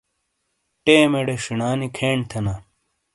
ٹیمیڑے شینانی کھین تھینا۔